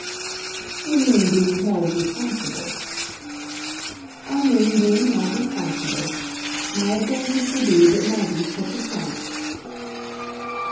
"You mean being held responsible." "I mean being held responsible. My advantage will be that Maggie's such a trump."